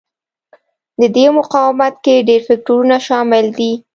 د دې مقاومت کې ډېر فکټورونه شامل دي.